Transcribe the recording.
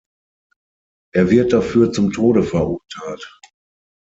Er wird dafür zum Tode verurteilt.